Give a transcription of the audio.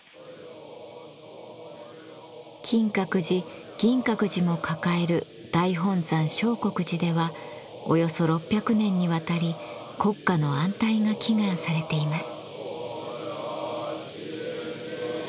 金閣寺銀閣寺も抱える大本山相国寺ではおよそ６００年にわたり国家の安泰が祈願されています。